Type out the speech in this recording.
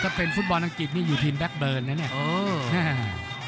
ถ้าเป็นฟุตบอลอังกฤษนี่อยู่ทีมแบ็คเบิร์นนะเนี่ย